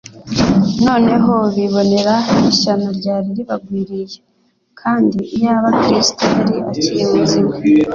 noneho bibonera ishyano ryari ribagwiriye; kandi iyaba Kristo yari akiri muzima,